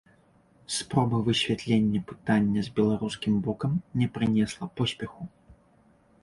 Спроба высвятлення пытання з беларускім бокам не прынесла поспеху.